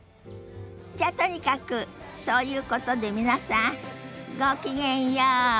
じゃとにかくそういうことで皆さんごきげんよう。